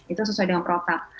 itu sesuai dengan protak